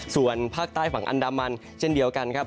ส่วนภาคใต้ฝั่งอันดามันเช่นเดียวกันครับ